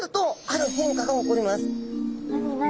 何何？